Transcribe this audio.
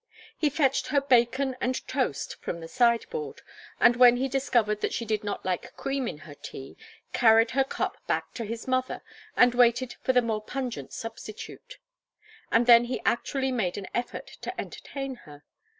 He fetched her bacon and toast from the sideboard, and when he discovered that she did not like cream in her tea, carried her cup back to his mother and waited for the more pungent substitute. And then he actually made an effort to entertain her.